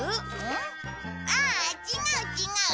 ああ違う違う。